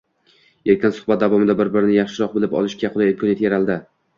erkin suhbat davomida bir-birini yaxshiroq bilib olishga qulay imkoniyat yaraladi.